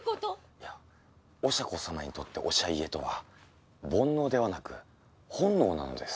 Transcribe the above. いやおしゃ子様にとっておしゃ家とは煩悩ではなく本能なのです。